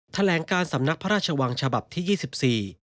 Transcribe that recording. ทะแหลงการสำนักพระราชวังฉบับที่๒๔